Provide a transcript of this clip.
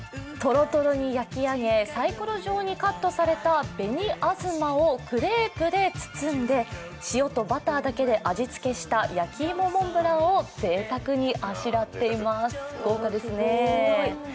とろとろに焼き上げさいころ状にカットされた紅あずまをクレープで包んで、塩とバターだけで味付けした焼き芋モンブランをぜいたくにあしらっています、豪華ですね。